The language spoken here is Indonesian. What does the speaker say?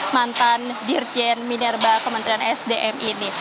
mantan dirjen minerva kementerian esdm ini